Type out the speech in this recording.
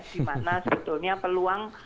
dimana sebetulnya peluang